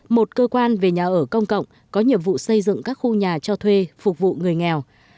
một cơ quan về nhà ở công cộng có nhiệm vụ xây dựng các khu nhà cho thuê phục vụ người nghèo